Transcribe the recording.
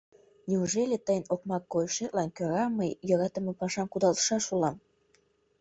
— Неужели тыйын окмак койышетлан кӧра мый йӧратыме пашам кудалтышаш улам?